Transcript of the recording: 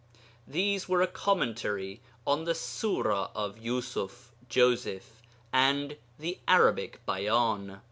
These were a Commentary on the Sura of Yusuf (Joseph) and the Arabic Bayan.